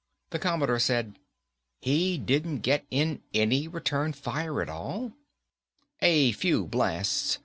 The Commodore said, "He didn't get in any return fire at all?" "A few blasts.